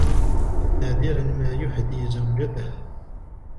نادرًا ما يهدي زوجته.